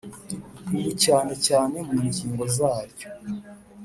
ubu cyane cyane mu ngingo zaryo